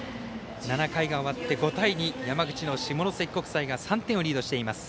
７回が終わって５対２山口の下関国際が３点をリードしています。